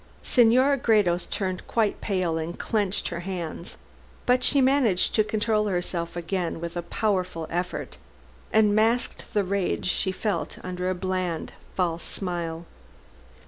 Senora Gredos turned quite pale and clenched her hands, but she managed to control herself again with a powerful effort and masked the rage she felt under a bland, false smile.